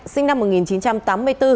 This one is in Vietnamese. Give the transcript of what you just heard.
sinh năm một nghìn chín trăm tám mươi bốn